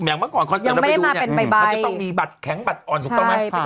เมื่อก่อนคอนเสิร์ตเราไม่ดูเนี่ยมันจะต้องมีบัตรแข็งบัตรอ่อนถูกต้องไหม